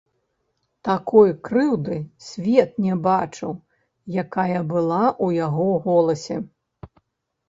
Такой крыўды свет не бачыў, якая была ў яго голасе.